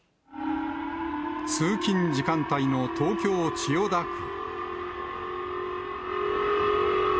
通勤時間帯の東京・千代田区。